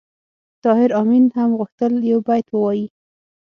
طاهر آمین هم غوښتل یو بیت ووایي